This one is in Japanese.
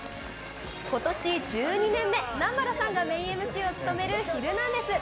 ことし１２年目、南原さんがメインＭＣを務めるヒルナンデス！